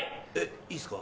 いいっすか？